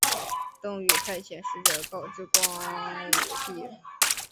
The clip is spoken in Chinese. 邓禹派遣使者告知光武帝。